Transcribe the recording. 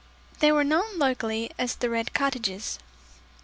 They were known locally as the "Red Cottages."